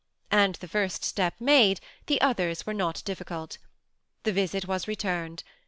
And the first step made, the others were not difficult The visit was returned.